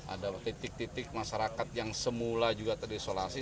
adalah titik titik masyarakat yang semula juga terisolasi